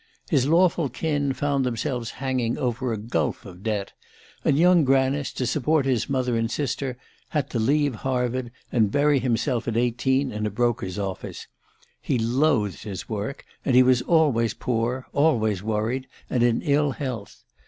His lawful kin found themselves hanging over a gulf of debt, and young Granice, to support his mother and sister, had to leave Harvard and bury himself at eighteen in a broker's office. He loathed his work, and he was always poor, always worried and in ill health.